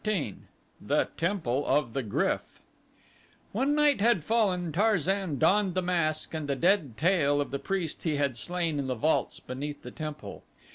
14 The Temple of the Gryf When night had fallen Tarzan donned the mask and the dead tail of the priest he had slain in the vaults beneath the temple.